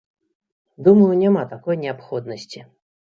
Думаю, няма такой неабходнасці.